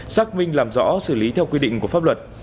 xác minh làm rõ xử lý theo quy định của pháp luật